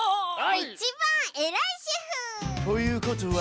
いちばんえらいシェフ！ということは？